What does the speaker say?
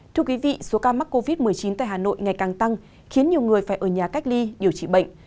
thưa quý vị số ca mắc covid một mươi chín tại hà nội ngày càng tăng khiến nhiều người phải ở nhà cách ly điều trị bệnh